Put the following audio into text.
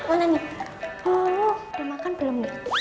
udah makan belum nih